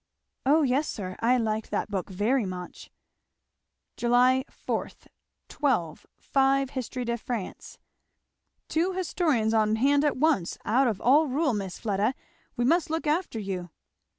"O yes, sir. I liked that book very much." '4 July 12. 5 Hist, de France.' "Two histories on hand at once! Out of all rule, Miss Fleda! We must look after you."